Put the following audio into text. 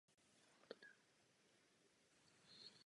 Člověk může souhlasit či nesouhlasit s tím či oním.